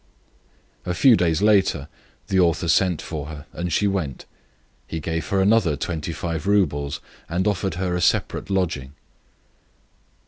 A few days later the author sent for her, and she went. He gave her another 25 roubles, and offered her a separate lodging.